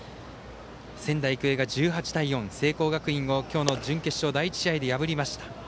仙台育英が１８対４で聖光学院を今日の準決勝、第１試合で破りました。